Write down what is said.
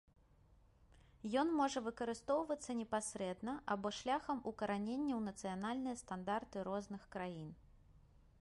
Ён можа выкарыстоўвацца непасрэдна або шляхам укаранення ў нацыянальныя стандарты розных краін.